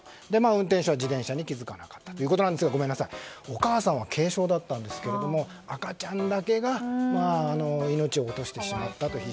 運転手は自転車に気付かなかったということですがごめんなさい、お母さんは軽傷だったんですが赤ちゃんだけが命を落としてしまったという。